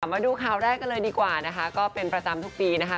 มาดูข่าวแรกกันเลยดีกว่านะคะก็เป็นประจำทุกปีนะคะ